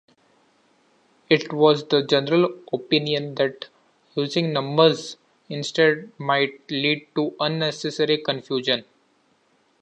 It was the general opinion that using numbers instead might lead to unnecessary confusion.